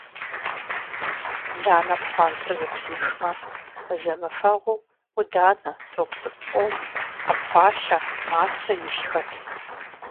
Ланэ пхъуантэр зэтрихмэ – зэмыфэгъуу Ӏуданэ топ цӀыкӀу къом, Ӏэпхъуалъэ, мастэ илъхэт.